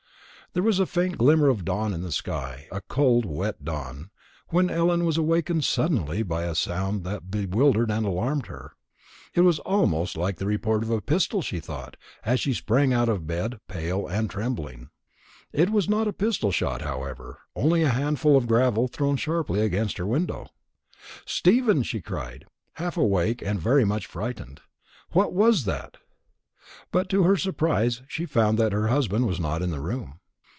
There was a faint glimmer of dawn in the sky, a cold wet dawn, when Ellen was awakened suddenly by a sound that bewildered and alarmed her. It was almost like the report of a pistol, she thought, as she sprang out of bed, pale and trembling. It was not a pistol shot, however, only a handful of gravel thrown sharply against her window. "Stephen," she cried, half awake and very much, frightened, "what was that?" But, to her surprise, she found that her husband was not in the room.